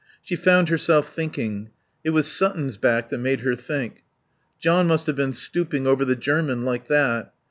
She found herself thinking. It was Sutton's back that made her think. John must have been stooping over the German like that.